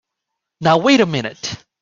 Now wait a minute!